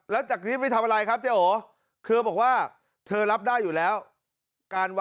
แล้วจากนี้ไปทำอะไรครับเจ๊โอเธอบอกว่าเธอรับได้อยู่แล้ว